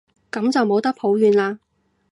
噉就冇得抱怨喇